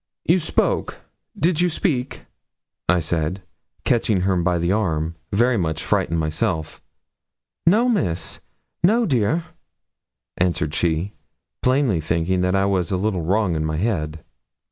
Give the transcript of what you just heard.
'You spoke? Did you speak?' I said, catching her by the arm, very much frightened myself. 'No, Miss; no, dear!' answered she, plainly thinking that I was a little wrong in my head.